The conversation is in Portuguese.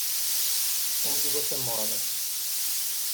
Onde você mora?